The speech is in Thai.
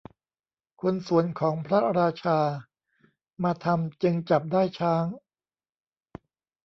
คนสวนของพระราชา มาทำจึงจับได้ช้าง